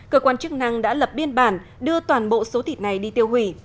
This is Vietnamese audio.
cơ quan chức năng đã lập biên bản đưa toàn bộ số thịt này đi tiêu hủy